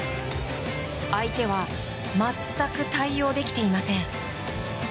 相手は全く対応できていません。